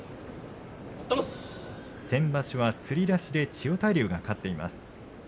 先場所は、つり出しで千代大龍が勝っています。